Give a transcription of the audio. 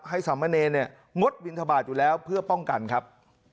ให้สำเนยเนี่ยงดวินทบาทอยู่แล้วเพื่อป้องกันครับ